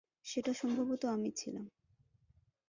সেটা সম্ভবত আমি ছিলাম।